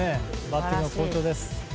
バッティングも好調です。